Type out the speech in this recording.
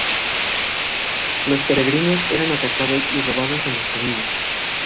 Los peregrinos eran atacados y robados en los caminos.